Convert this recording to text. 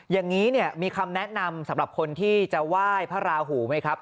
อย่างนี้เนี่ยมีคำแนะนำสำหรับคนที่จะไหว้พระราหูไหมครับ